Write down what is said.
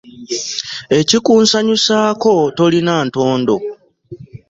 Ekikunsanyusaako tolina ntondo.